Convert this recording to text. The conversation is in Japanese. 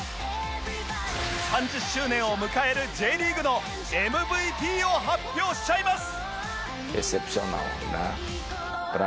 ３０周年を迎える Ｊ リーグの ＭＶＰ を発表しちゃいます！